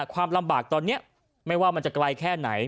ความลำบากตอนนี้ไม่ว่ามันจะไกลแค่ไหน